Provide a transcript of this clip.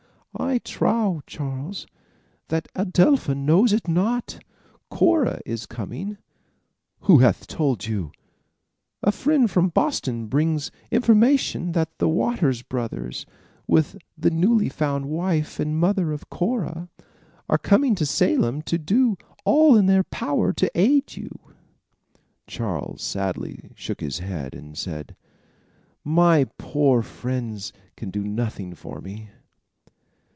"I trow, Charles, that Adelpha knows it not. Cora is coming." "Who hath told you?" "A friend from Boston brings information that the Waters brothers, with the newly found wife and mother and Cora, are coming to Salem to do all in their power to aid you." Charles sadly shook his head and said: "My poor friends can do nothing for me."